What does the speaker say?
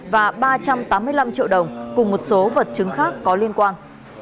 và ba trăm tám mươi năm triệu đồng cùng một số vật chứng khác có liên quan